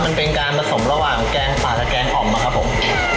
มันเป็นการผสมระหว่างแกงป่าและแกงอ่อมอะครับผม